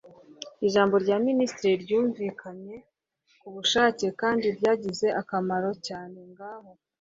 ijambo rya minisitiri ryumvikanye ku bushake kandi ryagize akamaro cyane. ngaho